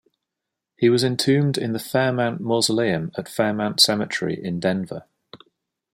He was entombed in the Fairmount Mausoleum at Fairmount Cemetery in Denver.